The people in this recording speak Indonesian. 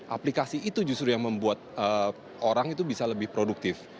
aplikasi itu justru yang membuat orang itu bisa lebih produktif